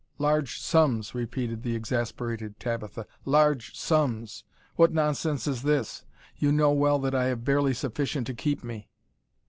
"Large sums!" repeated the exasperated Tabitha, "large sums! what nonsense is this? You know well that I have barely sufficient to keep me."